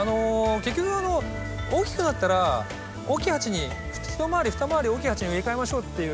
結局大きくなったら大きい鉢に一回り二回り大きい鉢に植え替えましょうっていう。